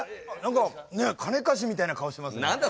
何か金貸しみたいな顔してますね。